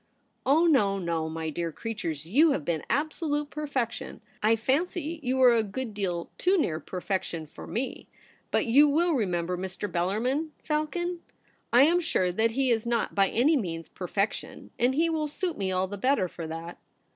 ' Oh no, no, my dear creatures, you have been absolute perfection. I fancy you are a good deal too near perfection for me. But you will remember Mr. Bellarmin, Falcon ? I am sure that he is not by any means perfec tion, and he will suit me all the better for that.'